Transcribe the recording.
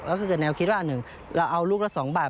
แล้วก็คิดว่าหนึ่งเราเอาลูกละ๒บาท